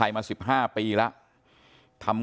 สวัสดีครับ